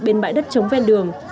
bên bãi đất chống ven đường